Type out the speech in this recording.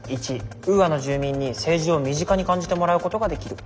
１ウーアの住民に政治を身近に感じてもらうことができる。